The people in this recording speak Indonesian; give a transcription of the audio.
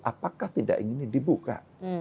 apakah tidak ingin dibuka